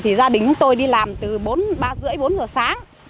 thì gia đình tôi đi làm từ ba h ba mươi bốn h sáng